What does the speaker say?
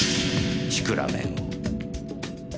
シクラメンを。